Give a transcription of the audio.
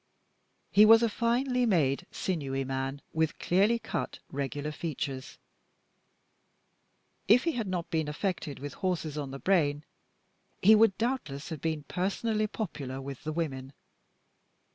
He was a finely made, sinewy man, with clearly cut, regular features. If he had not been affected with horses on the brain he would doubtless have been personally popular with the women.